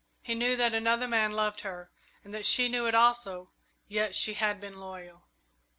He knew that another man loved her and that she knew it also, yet she had been loyal.